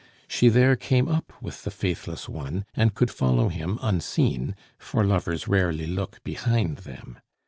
She there came up with the faithless one, and could follow him unseen, for lovers rarely look behind them.